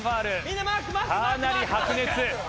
かなり白熱。